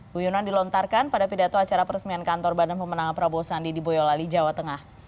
guyunan dilontarkan pada pidato acara peresmian kantor badan pemenang prabowo sandi di boyolali jawa tengah